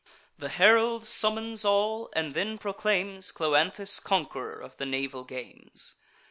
The herald summons all, and then proclaims Cloanthus conqu'ror of the naval games.